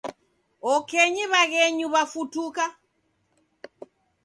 Okenyi w'aghenyu w'afutuka